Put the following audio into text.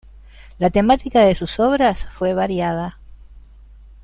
La temática de sus obras fue variada.